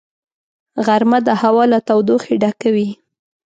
غرمه د هوا له تودوخې ډکه وي